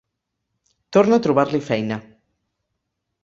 Torna a trobar-li feina.